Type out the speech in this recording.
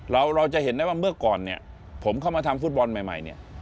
เราจะเห็นได้ว่าเมื่อก่อนเนี่ยผมเข้ามาทำฟุตบอลใหม่เนี่ย